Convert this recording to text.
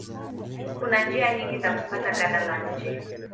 Kuna njia nyingi za kupata ganda la nje.